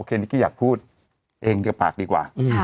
โอเคนิกกี้อยากพูดเอ็งกับปากดีกว่า